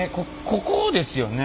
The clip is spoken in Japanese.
ここですよね？